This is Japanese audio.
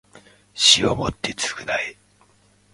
死をもって償え